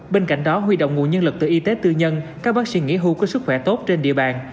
bên cạnh đó huy động nguồn nhân lực từ y tế tư nhân các bác sĩ nghỉ hưu có sức khỏe tốt trên địa bàn